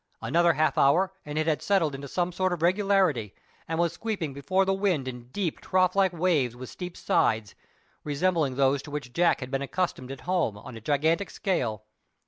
Another half hour and it had settled into some sort of regularity, and was sweeping before the wind in deep trough like waves with steep sides, resembling those to which Jack had been accustomed at home, on a gigantic scale.